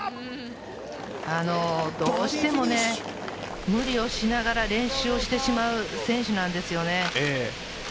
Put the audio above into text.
どうしても無理をしながら練習をしてしまう選手なんですよね。